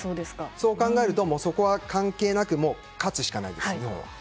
そう考えるとそこは関係なく勝つしかないです。